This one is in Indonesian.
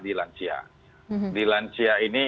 di lansia di lansia ini